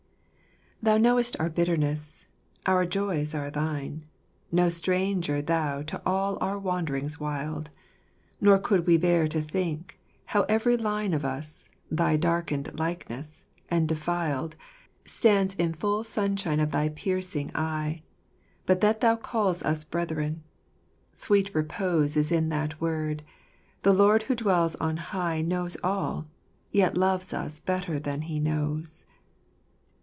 Thou know'st our bitterness— our joys are Thine — No stranger Thou to all our wanderings wild : Nor could we bear to think, how every line Of us, thy darkened likeness, and defiled, Stands in full sunshine of thy piercing eye, Bul that Thou call's! us Brethren : sweet repose Is in that word — the Lord who dwells on high Knows all, yet loves us better than He knows."